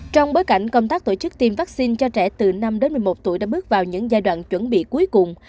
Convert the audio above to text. trong bối cảnh công tác tổ chức tiêm vaccine cho trẻ từ năm đến một mươi một tuổi đã bước vào những giai đoạn chuẩn bị cuối cùng